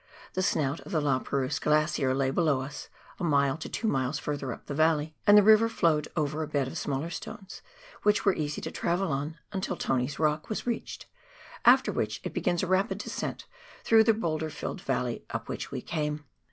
The snout of the La Perouse Glacier lay below us, a mile to two miles further up the valley, and the river flowed over a bed of smaller stones, which were easy to travel on, until Tony's Rock was reached, after which it begins a rapid descent through the boulder filled valley up which we came.